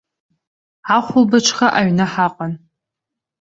Ахәылбыҽха аҩны ҳаҟан.